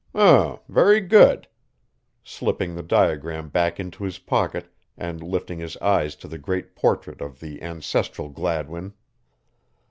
"H'm, very good," slipping the diagram back into his pocket and lifting his eyes to the great portrait of the ancestral Gladwin.